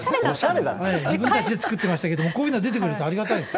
自分たちで作ってましたけども、こういうのが出てくるとありがたいです。